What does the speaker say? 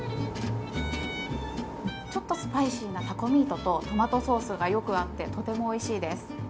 ちょっとスパイシーなタコミートとトマトソースがよく合ってとてもおいしいです。